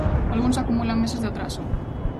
Algúns acumulan meses de atraso.